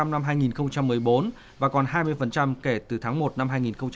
hai mươi hai năm hai nghìn một mươi bốn và còn hai mươi kể từ tháng một năm hai nghìn một mươi sáu